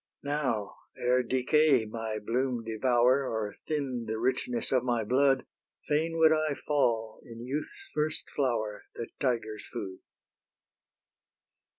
Now, ere decay my bloom devour Or thin the richness of my blood, Fain would I fall in youth's first flower, The tigers' food.